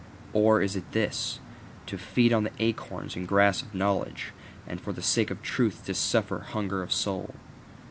Or is it this: To feed on the acorns and grass of knowledge, and for the sake of truth to suffer hunger of soul?